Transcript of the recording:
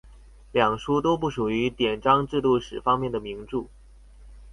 兩書都不屬於典章制度史方面的名著